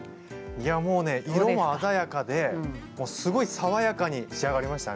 いやもうね色も鮮やかですごい爽やかに仕上がりましたね。